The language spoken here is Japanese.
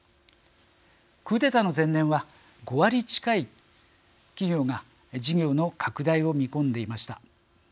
クーデターの前年は５割近い企業が事業の拡大を見込んでいました。